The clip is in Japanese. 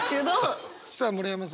さあ村山さん